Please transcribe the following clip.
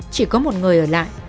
chỉ có một người ở lại